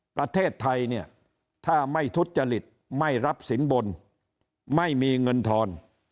ประเทศไทยเนี่ยถ้าไม่ทุจริตไม่รับสินบนไม่มีเงินทอน